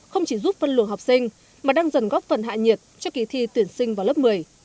không chỉ giúp phân luồng học sinh mà đang dần góp phần hạ nhiệt cho kỳ thi tuyển sinh vào lớp một mươi